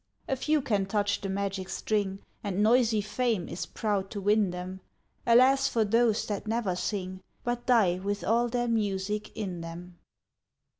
A few can touch the magic string, And noisy Fame is proud to win them: Alas for those that never sing, But die with all their music in them!